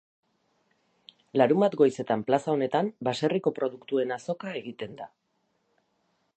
Larunbat goizetan plaza honetan baserriko produktuen azoka egiten da.